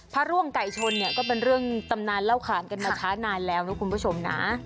พระร่วงไก่ชนเนี่ยก็เป็นเรื่องตำนานเล่าขานกันมาช้านานแล้วนะคุณผู้ชมนะ